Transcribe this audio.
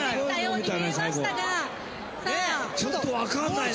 ちょっと分かんないね。